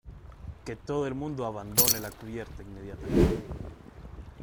que todo el mundo abandone la cubierta inmediatamente.